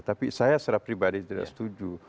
tapi saya secara pribadi tidak setuju